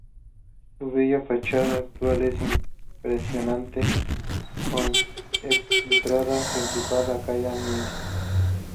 Su bella fachada actual es impresionante, con entrada principal en la calle McKinley.